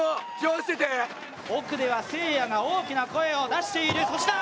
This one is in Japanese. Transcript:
奥ではせいやが大きな声を出している。